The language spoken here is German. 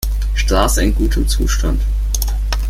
Straße in gutem Zustand.